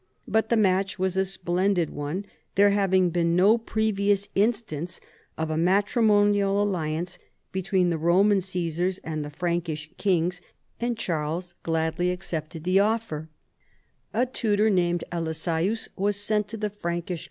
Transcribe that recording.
But the match was a splendid one, there having been no previous instance of a matrimonial alliance between the Roman Ca3sars and the Frank ish kings, and Charles gladly accepted the offe)'. 15 226 CHARLEMAGNE. A tutor named ElissEeus was sent to the Frankish.